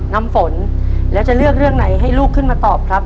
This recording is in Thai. น้ำฝนแล้วจะเลือกเรื่องไหนให้ลูกขึ้นมาตอบครับ